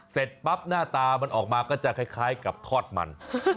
เสร็จปั๊บหน้าตามันออกมาก็จะคล้ายกับทอดมัน